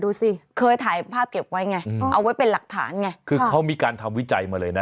ดูสิเคยถ่ายภาพเก็บไว้ไงเอาไว้เป็นหลักฐานไงคือเขามีการทำวิจัยมาเลยนะ